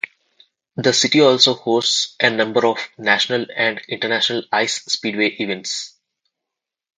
The city also hosts a number of National and International Ice Speedway events.